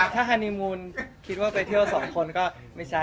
ถ้าฮานีมูลคิดว่าไปเที่ยวสองคนก็ไม่ใช่